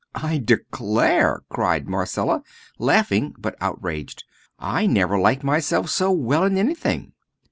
"I declare!" cried Marcella, laughing, but outraged; "I never like myself so well in anything."